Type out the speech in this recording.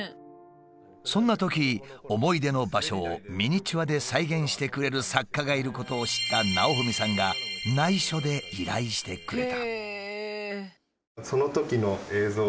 そんなとき思い出の場所をミニチュアで再現してくれる作家がいることを知った直史さんがないしょで依頼してくれた。